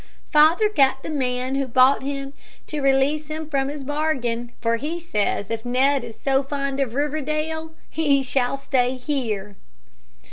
Father got the man who bought him to release him from his bargain, for he says if Ned is so fond of Riverdale, he shall stay here."